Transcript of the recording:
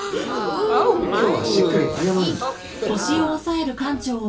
今日はしっかり謝るんだ